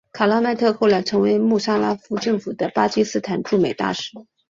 卡拉麦特后来成为穆沙拉夫政府的巴基斯坦驻美大使。